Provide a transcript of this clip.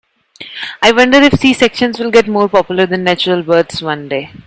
I wonder if C-sections will get more popular than natural births one day.